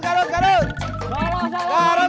garut garut garut